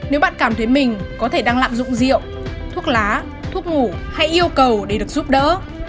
một mươi bốn nếu bạn cảm thấy mình có thể đang lạm dụng rượu thuốc lá thuốc ngủ hay yêu cầu để được giúp đỡ